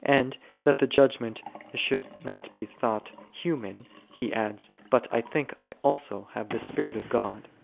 And, that the judgment should not be thought human, he adds, " But I think I also have the Spirit of God."